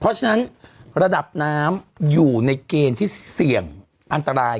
เพราะฉะนั้นระดับน้ำอยู่ในเกณฑ์ที่เสี่ยงอันตราย